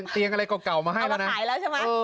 เตียงอะไรเก่ามาให้แล้วนะ